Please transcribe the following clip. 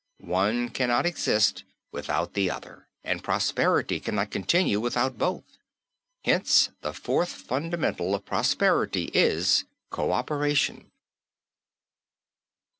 One cannot exist without the other and prosperity cannot continue without both. Hence the fourth fundamental of prosperity is Coöperation.